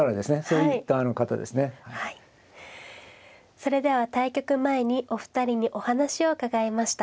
それでは対局前にお二人にお話を伺いました。